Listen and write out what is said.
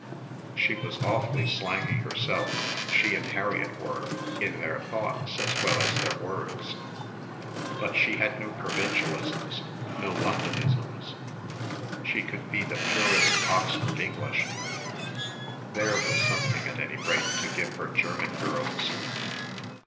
She was awfully slangy herself she and Harriett were, in their thoughts as well as their words but she had no provincialisms, no Londonisms she could be the purest Oxford English. There was something at any rate to give her German girls....